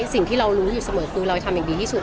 สิ่งที่เรารู้อยู่เสมอคือเราทำอย่างดีที่สุด